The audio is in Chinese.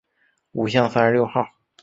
五巷三十六号